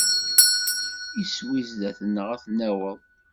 Iswi sdat-neɣ ad t-naweḍ.